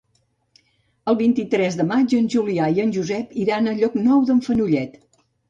El vint-i-tres de maig en Julià i en Josep iran a Llocnou d'en Fenollet.